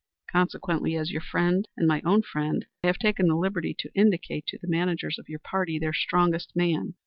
Consequently, as your friend and my own friend, I have taken the liberty to indicate to the managers of your party their strongest man.